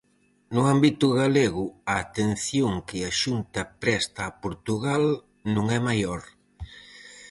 No ámbito galego, a atención que a Xunta presta a Portugal non é maior.